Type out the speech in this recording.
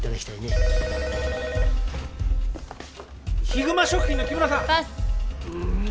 ☎ひぐま食品の木村さん。パス。